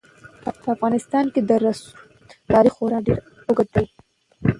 په افغانستان کې د رسوب تاریخ خورا ډېر اوږد دی.